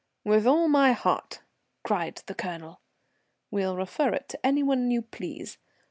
"With all my heart," cried the Colonel. "We'll refer it to any one you please.